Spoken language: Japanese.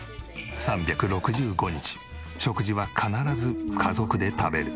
３６５日食事は必ず家族で食べる。